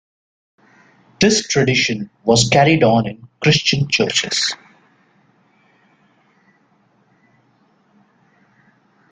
This tradition was carried on in Christian churches.